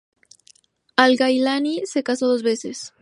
Al-Gailani se casó dos veces.